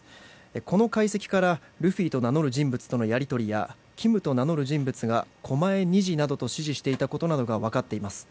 この解析からルフィと名乗る人物とのやり取りやキムと名乗る人物が狛江２時などと指示していたことなどが分かっています。